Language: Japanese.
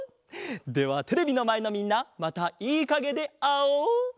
ではテレビのまえのみんなまたいいかげであおう！